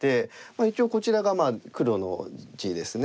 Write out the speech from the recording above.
一応こちらが黒の地ですね。